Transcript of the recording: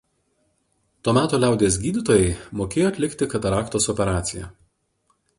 To meto liaudies gydytojai mokėjo atlikti kataraktos operaciją.